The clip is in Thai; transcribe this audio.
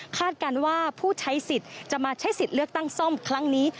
การว่าผู้ใช้สิทธิ์จะมาใช้สิทธิ์เลือกตั้งซ่อมครั้งนี้